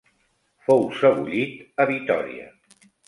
Fou sebollit a Vitória.